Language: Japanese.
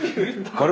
あれ？